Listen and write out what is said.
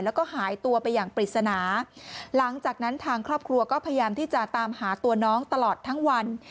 แล้วก็หายตัวไปอย่างปริศนาหลังจากนั้นทางครอบครัวก็พยายามที่จะตามหาตัวน้องตลอดทั้งวัน